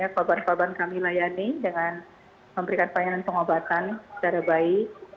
buat korban kami layani dengan memberikan pengobatan secara baik